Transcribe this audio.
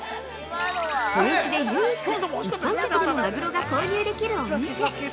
豊洲で唯一、一般客でもマグロが購入できるお店。